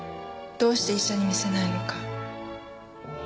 どうして医者に診せないのか。